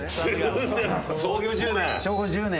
創業１０年。